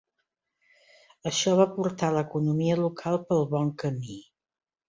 Això va portar l'economia local pel bon camí.